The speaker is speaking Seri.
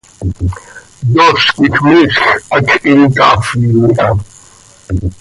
Yooz quij miizj hacx him caafin iha.